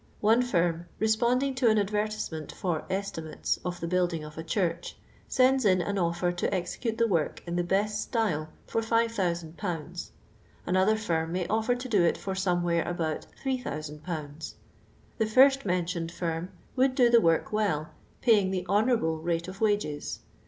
One firm, responding to an advertisement for " esti mates ' of the building of a church, sends in an otfer to execute the work in the best style for iiOO'.V. Another tinu m.iy oifer to do it for some where about 300U/. The Hr>t meutioned rimi would do the work well, paying the *' honourable"' rate of wages.